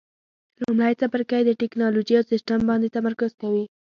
لومړی څپرکی په ټېکنالوجي او سیسټم باندې تمرکز کوي.